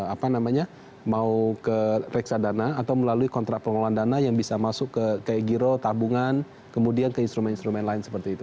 apa namanya mau ke reksadana atau melalui kontrak pengelolaan dana yang bisa masuk ke kayak giro tabungan kemudian ke instrumen instrumen lain seperti itu